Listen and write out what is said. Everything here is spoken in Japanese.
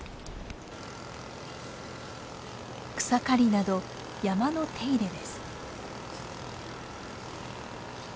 草刈りなど山の手入れです。